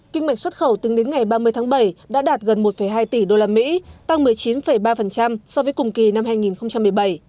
kinh mệnh xuất khẩu từng đến ngày ba mươi tháng bảy đã đạt gần một hai tỷ usd tăng một mươi chín ba so với cùng kỳ năm hai nghìn một mươi bảy